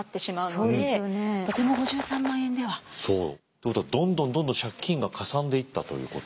ということはどんどんどんどん借金がかさんでいったということ。